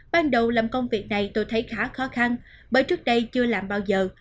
ban đầu làm công việc này tôi thấy khá khó khăn bởi trước đây chưa làm bao giờ